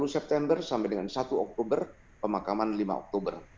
dua puluh september sampai dengan satu oktober pemakaman lima oktober